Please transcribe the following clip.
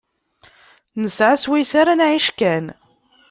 Nesεa swayes ara nεic kan.